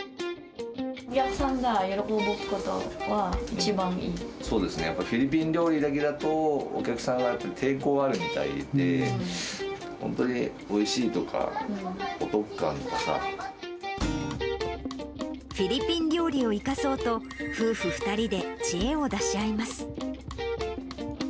お客さんが喜ぶことが一番いそうですね、やっぱりフィリピン料理だけだとお客さんはやっぱり抵抗あるみたいで、本当においしいとか、フィリピン料理を生かそうと、夫婦２人で知恵を出し合います。